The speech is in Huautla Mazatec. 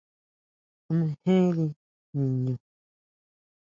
¿A mejeri niñu?